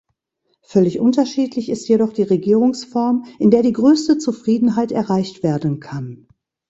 Völlig unterschiedlich ist jedoch die Regierungsform, in der die größte Zufriedenheit erreicht werden kann.